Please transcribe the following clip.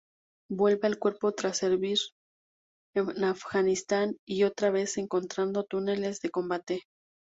Vuelve al cuerpo tras servir en Afganistán y otra vez encontrando túneles de combate.